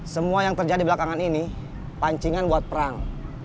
semua yang terjadi belakangan ini pancingan buat perang